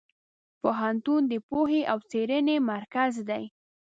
پوهنتون د پوهې او څېړنې مرکز دی.